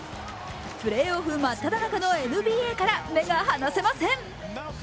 プレーオフ真っただ中ＮＢＡから目が離せません。